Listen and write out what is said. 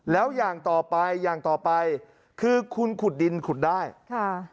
แล้วอย่างต่อไปอย่างต่อไปคือคุณขุดดินขุดได้ค่ะ